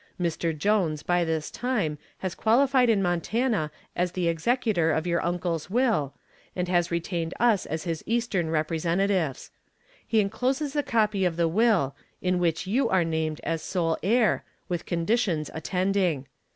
Mr. Jones by this time has qualified in Montana as the executor of your uncle's will and has retained us as his eastern representatives. He incloses a copy of the will, in which you are named as sole heir, with conditions attending.